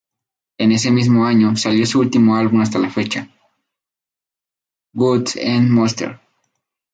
En ese mismo año, salió su último álbum hasta la fecha, "Gods and Monsters".